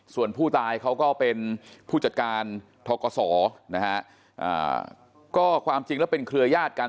ส่วนผู้ตายเขาก็เป็นผู้จัดการทกศนะฮะก็ความจริงแล้วเป็นเครือญาติกัน